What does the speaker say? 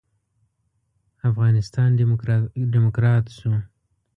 افغانستان ډيموکرات شو.